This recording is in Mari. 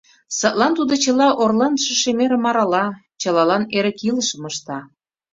Садлан тудо чыла орланыше шемерым арала, чылалан эрык илышым ышта.